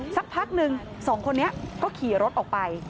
สักพักหนึ่งสองคนนี้ก็ขี่รถออกไป